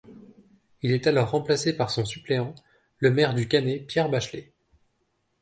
Il est alors remplacé par son suppléant, le maire du Cannet Pierre Bachelet.